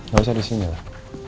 gak usah disini pak